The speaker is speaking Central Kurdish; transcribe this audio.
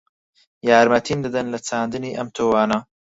یارمەتیم دەدەن لە چاندنی ئەم تۆوانە؟